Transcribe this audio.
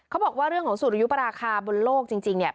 เขาบอกว่าเรื่องของสุริยุปราคาบนโลกจริงเนี่ย